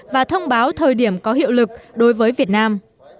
và thông báo thời điểm có hiệu lực đối với việt nam